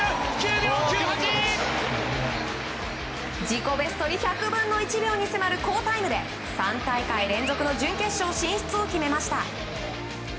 自己ベストに１００分の１に迫る好タイムで３大会連続の準決勝進出を決めました。